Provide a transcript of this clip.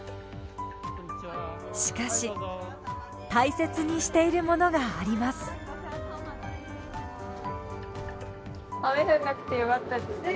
しかし大切にしているものがあります。ですね。